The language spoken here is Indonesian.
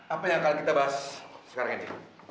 apa yang akan kita bahas sekarang ini